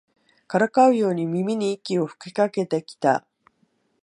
からかうように耳に息を吹きかけてきた